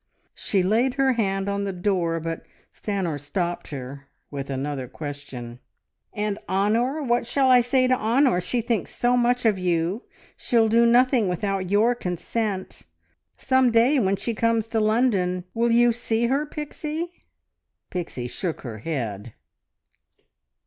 She laid her hand on the door, but Stanor stopped her with another question "And Honor? What shall I say to Honor? She thinks so much of you. She'll do nothing without your consent. Some day when she comes to London ... will you ... see her, Pixie?" Pixie shook her head.